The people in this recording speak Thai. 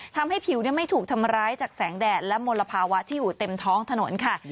ทำให้ผิวไม่ถูกทำร้ายจากแสงแดดและมลภาวะที่อยู่เต็มท้องถนนค่ะ